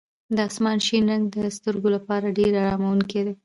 د اسمان شین رنګ د سترګو لپاره ډېر اراموونکی دی.